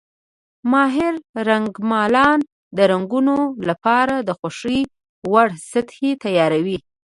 ماهر رنګمالان د رنګونو لپاره د خوښې وړ سطحې تیاروي.